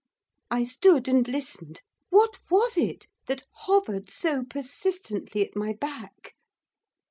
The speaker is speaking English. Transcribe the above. I stood and listened, what was it that hovered so persistently at my back?